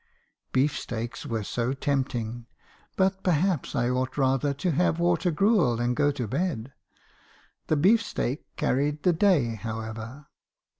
Beef steaks were so tempting; but perhaps I ought rather to have water gruel, and go to bed. The beef steak carried the day, however.